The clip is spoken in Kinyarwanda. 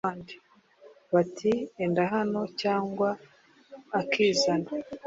bati «enda hano» , cyangwa akizana